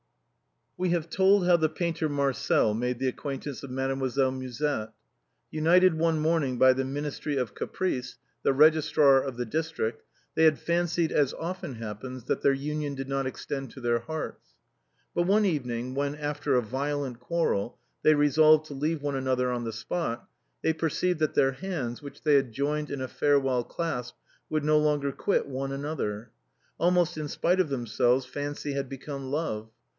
We have told how the painter Marcel made the acquaint ance of Mademoiselle Musette. United one morning by the ministry of caprice, the registrar of the district, they had fancied, as often happens, that their union did not extend to their hearts; but one evening when, after a violent quarrel, they resolved to leave one another on the spot, they perceived that their hands, which they had joined in a farewell clasp, would no longer quit one an other. Almost in spite of themselves fancy had become love.